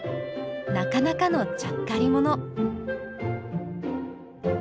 なかなかのちゃっかり者！